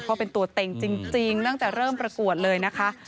เพราะเป็นตัวเต็งจริงตั้งแต่เริ่มประกวดเลยนะคะ